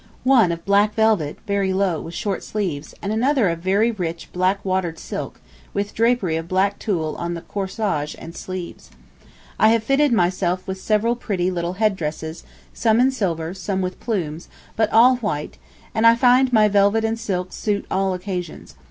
One of black velvet, very low, with short sleeves, and another of very rich black watered silk, with drapery of black tulle on the corsage and sleeves. ... I have fitted myself with several pretty little head dresses, some in silver, some with plumes, but all white, and I find my velvet and silk suit all occasions.